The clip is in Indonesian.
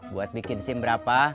buat bikin sim berapa